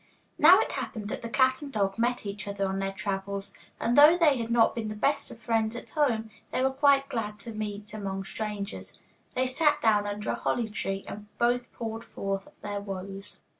Now it happened that the cat and dog met each other on their travels, and though they had not been the best of friends at home, they were quite glad to meet among strangers. They sat down under a holly tree and both poured forth their woes.